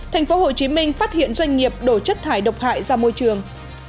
thành phố hồ chí minh phát hiện doanh nghiệp đổ chất thải độc hại ra môi trường